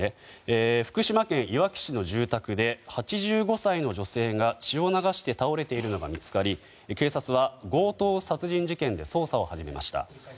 福島県いわき市の住宅で８５歳の女性が血を流して倒れているのが見つかり警察は強盗殺人事件で捜査を始めました。